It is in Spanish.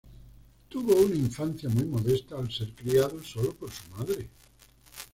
Tuvo una infancia muy modesta al ser criado solo por su madre.